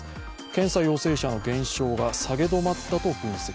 検査陽性者の減少が下げ止まったと分析。